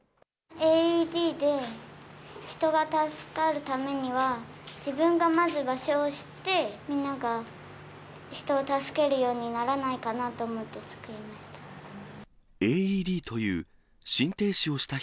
ＡＥＤで人が助かるためには、自分がまず場所を知って、みんなが人を助けるようにならないかなと思って作りました。